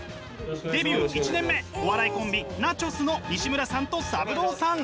デビュー１年目お笑いコンビ、ナチョス。のにしむらさんとサブローさん。